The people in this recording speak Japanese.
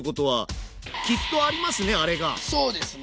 そうですね